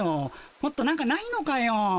もっとなんかないのかよ。